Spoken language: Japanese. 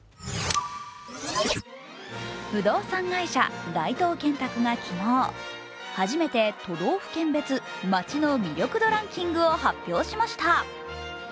不動産会社・大東建託が昨日初めて都道府県別街の魅力度ランキングを発表しました。